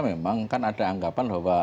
memang kan ada anggapan bahwa